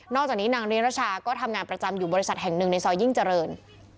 จากนี้นางนิรชาก็ทำงานประจำอยู่บริษัทแห่งหนึ่งในซอยยิ่งเจริญ